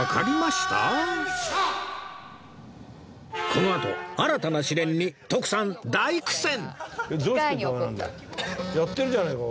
このあと新たな試練に徳さん大苦戦！